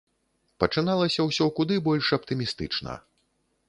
Пачыналася ўсё куды больш аптымістычна.